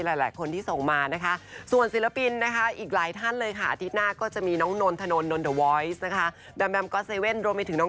เดี๋ยวติดตามมาแน่นอน